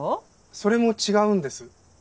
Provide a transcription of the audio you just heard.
それも違うんです。